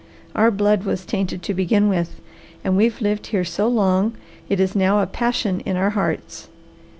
Our blood was tainted to begin with, and we've lived here so long it is now a passion in our hearts.